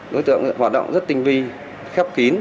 đối tượng hoạt động rất tinh vi khép kín